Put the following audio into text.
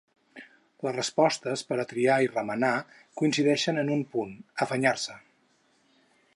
Les respostes, per a triar i remenar, coincideixen en un punt: afanyar-se.